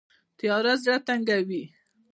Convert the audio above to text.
تیاره زړه تنګوي